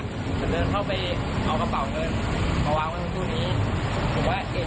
กูลิกใจกูให้รู้ผมเอาบอกไปตามไปไม่ได้เจอ